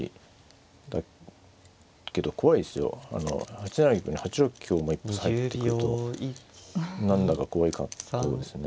８七玉に８六香も一発入ってくると何だか怖い格好ですね。